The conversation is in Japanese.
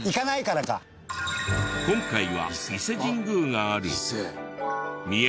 今回は伊勢神宮がある。